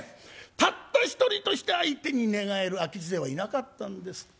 たった一人として相手に寝返る明智勢はいなかったんですって。